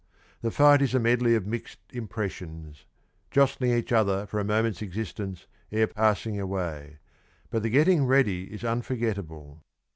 The fight is a medley of mixed impressions, jostling each other for a moment's existence ere passing away, but the getting ready is unforgetable.